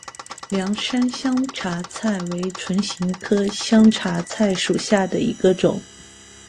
凉山香茶菜为唇形科香茶菜属下的一个种。